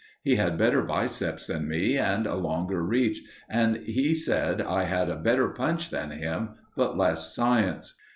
He had better biceps than me and a longer reach, and he said I had a better punch than him, but less science.